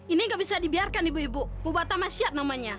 ini enggak bisa dibiarkan ibu ibu bu bata masyad namanya